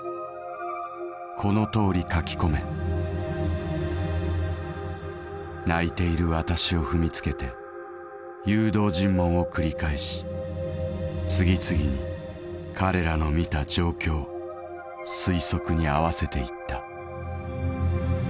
『このとおり書き込め』泣いている私を踏みつけて誘導尋問を繰り返し次々に彼らの見た状況推測にあわせていった」。